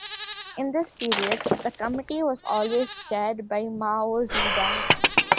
In this period, the Committee was always chaired by Mao Zedong.